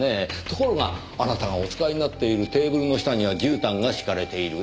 ところがあなたがお使いになっているテーブルの下にはじゅうたんが敷かれている。